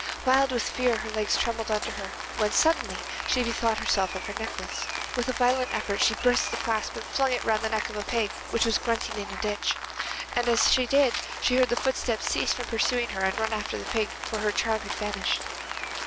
Wild with fear her legs trembled under her, when suddenly she bethought herself of her necklace. With a violent effort she burst the clasp and flung it round the neck of a pig which was grunting in a ditch, and as she did so she heard the footsteps cease from pursuing her and run after the pig, for her charm had vanished.